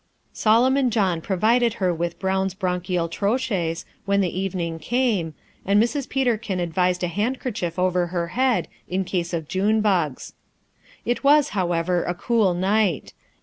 Solomon John provided her with Brown's Bronchial Troches when the evening came, and Mrs. Peterkin advised a handkerchief over her head, in case of June bugs. It was, however, a cool night.